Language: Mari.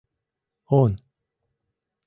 — Он.